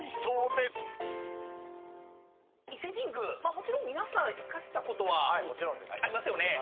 もちろん皆さん行かれたことはありますよね。